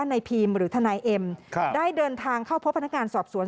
นายพีมหรือทนายเอ็มได้เดินทางเข้าพบพนักงานสอบสวน